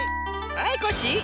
はいコッシー。